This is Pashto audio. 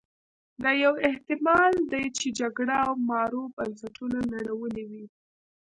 دا یو احتما ل دی چې جګړه مارو بنسټونه نړولي وي.